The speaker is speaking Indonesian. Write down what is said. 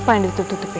apa yang ditutup tutupin